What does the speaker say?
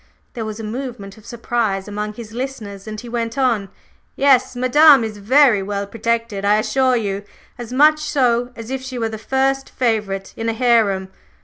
There was a movement of surprise among his listeners, and he went on: "Yes; Madame is very well protected, I assure you, as much so as if she were the first favorite in a harem.